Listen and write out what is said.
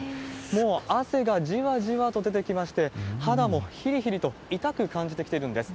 もう、汗がじわじわと出てきまして、肌もひりひりと痛く感じてきているんです。